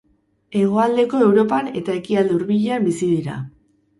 Hegoaldeko Europan eta Ekialde Hurbilean bizi dira.